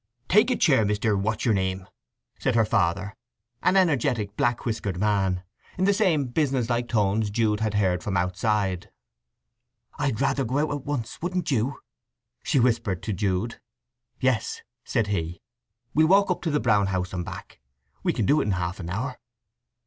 "Take a chair, Mr. What's your name?" said her father, an energetic, black whiskered man, in the same businesslike tones Jude had heard from outside. "I'd rather go out at once, wouldn't you?" she whispered to Jude. "Yes," said he. "We'll walk up to the Brown House and back, we can do it in half an hour."